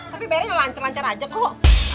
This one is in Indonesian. tapi bayarnya lancar lancar aja kok